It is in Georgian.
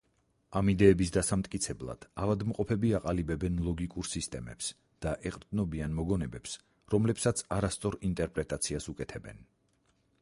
ამ იდეების დასამტკიცებლად ავადმყოფები აყალიბებენ ლოგიკურ სისტემებს და ეყრდნობიან მოგონებებს, რომლებსაც არასწორ ინტერპრეტაციას უკეთებენ.